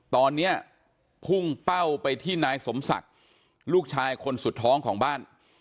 ตอนนี้พุ่งเป้าไปที่นายสมศักดิ์ลูกชายคนสุดท้องของบ้าน